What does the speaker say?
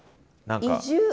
移住。